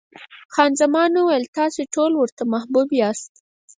خان زمان وویل، تاسې ټوله ورته محبوب یاست.